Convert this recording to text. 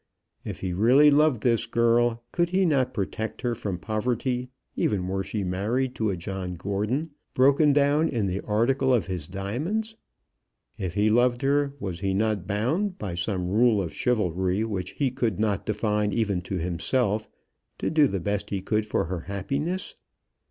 If he really loved this girl, could he not protect her from poverty, even were she married to a John Gordon, broken down in the article of his diamonds? If he loved her, was he not bound, by some rule of chivalry which he could not define even to himself, to do the best he could for her happiness?